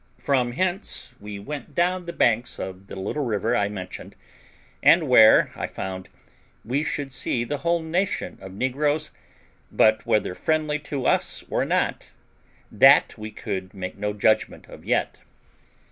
From hence we went down the banks of the little river I mentioned, and where, I found, we should see the whole nation of negroes, but whether friendly to us or not, that we could make no judgment of yet.